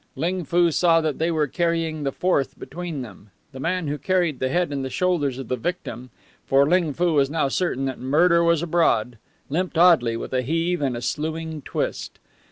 Ling Foo saw that they were carrying the fourth between them. The man who carried the head and shoulders of the victim for Ling Foo was now certain that murder was abroad limped oddly, with a heave and a sluing twist.